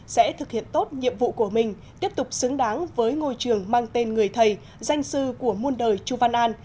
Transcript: sẽ thực hiện tốt nhiệm vụ của mình tiếp tục xứng đáng với ngôi trường mang tên người thầy danh sư của muôn đời chu văn an